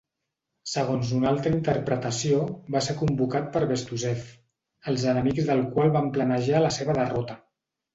Segons una altra interpretació, va ser convocat per Bestuzhev, els enemics del qual van planejar la seva derrota.